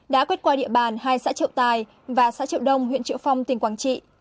đã quét qua địa bàn hai xã triệu tài và xã triệu đông huyện triệu phong tỉnh quảng trị